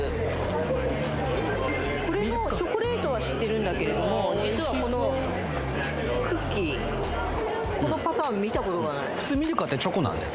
これのチョコレートは知ってるんだけれども実はこのクッキーこのパターン見たことがない普通ミルカってチョコなんです